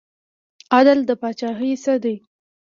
عدل د پاچاهۍ څه دی؟